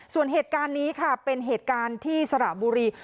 ส่วนเหตุการณ์นี้ค่ะเป็นเหตุการณ์ที่สระบุรี